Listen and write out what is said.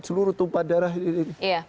seluruh tumpah darah ini